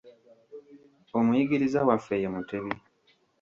Omuyigiriza waffe ye Mutebi.